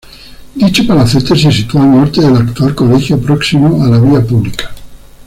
Dicho palacete se sitúa al norte del actual colegio, próximo a la vía pública.